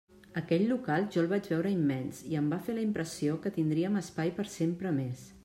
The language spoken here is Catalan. Aquell local jo el vaig veure immens i em va fer la impressió que tindríem espai per sempre més.